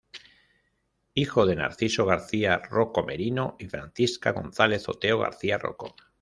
Hijo de Narciso García-Roco Merino y Francisca González-Oteo García-Roco.